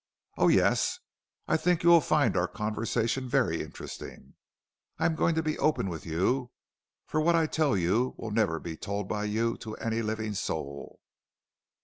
"Oh, yes. I think you will find our conversation very interesting. I am going to be open with you, for what I tell you will never be told by you to any living soul."